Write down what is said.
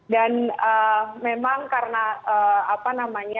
dan memang karena